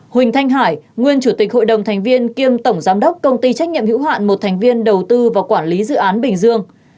huỳnh thanh hải nguyên chủ tịch hội đồng thành viên kiêm tổng giám đốc công ty trách nhiệm hữu hạn một thành viên đầu tư và quản lý dự án bình dương